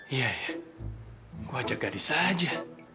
iya iya gua ajak gadis aja